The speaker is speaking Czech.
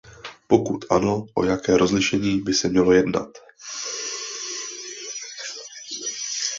Pokud ano, o jaké rozlišení by se mělo jednat?